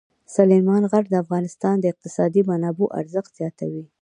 سلیمان غر د افغانستان د اقتصادي منابعو ارزښت زیاتوي.